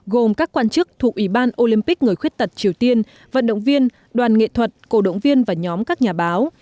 gồm các quan chức thuộc ủy ban olympic người khuyết tật triều tiên vận động viên đoàn nghệ thuật cổ động viên và nhóm các nhà báo